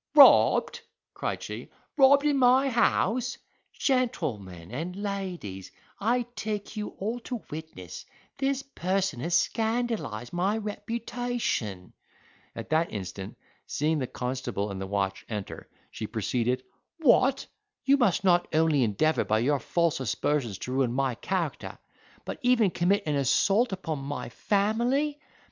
"Robbed!" cried she, "robbed in my house! Gentlemen and Ladies, I take you all to witness, this person has scandalised my reputation." At that instant, seeing the constable and watch enter, she proceeded "What! you must not only endeavour by your false aspersions to ruin my character, but even commit an assault upon my family!